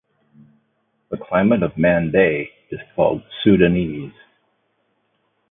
The climate of Mande is called Sudanese.